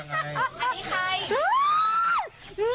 อ๊า